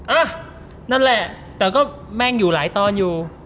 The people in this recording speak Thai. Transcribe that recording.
อ่ะนั่นแหละแต่ก็แม่งอยู่หลายตอนอยู่